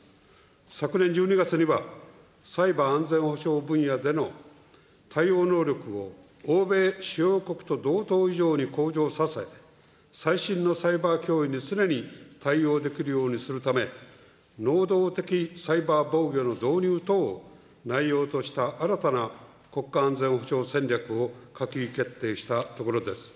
昨年１２月には、サイバー安全保障分野での対応能力を欧米主要国と同等以上に向上させ、最新のサイバー脅威に常に対応できるようにするため、能動的サイバー防御の導入等を内容とした新たな国家安全保障戦略を閣議決定したところです。